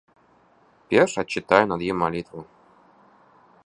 Перш адчытаю над ім малітву.